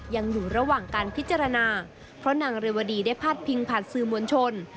ยังอยู่ระหว่างการพิจารณาเพราะนางเรวดีได้พาดพิงผ่านสื่อมวลชน